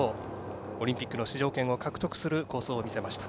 オリンピックの出場権を獲得する好走を見せました。